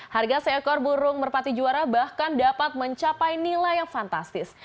harga seekor burung merpati juara bahkan dapat mencapai nilai yang fantastis